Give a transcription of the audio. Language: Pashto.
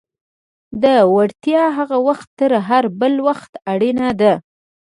دا وړتیا هغه وخت تر هر بل وخت اړینه ده.